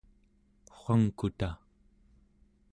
wangkuta